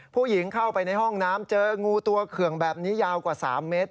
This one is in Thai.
ผู้หญิงเข้าไปในห้องน้ำเจองูตัวเคืองแบบนี้ยาวกว่า๓เมตร